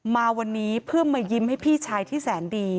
มาวันนี้เพื่อมายิ้มให้พี่ชายที่แสนดี